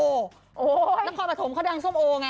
นครปฐมเขาดังส้มโอไง